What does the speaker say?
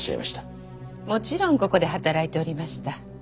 もちろんここで働いておりました。